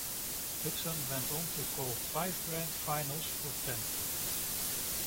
Hudson went on to call five grand finals for Ten.